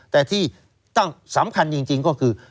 แต่ที่ตั้งสำคัญจริงก็คือ